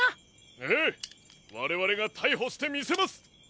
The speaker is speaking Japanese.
ええわれわれがたいほしてみせます！